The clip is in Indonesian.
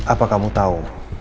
apa kamu tahu